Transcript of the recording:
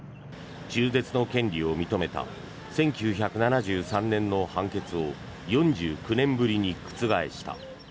中絶の権利を認めた１９７３年の判決を４９年ぶりに覆した。